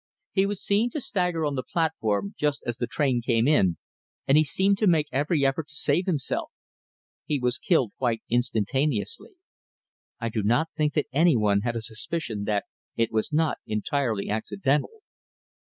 "He was seen to stagger on the platform just as the train came in, and he seemed to make every effort to save himself. He was killed quite instantaneously. I do not think that any one had a suspicion that it was not entirely accidental."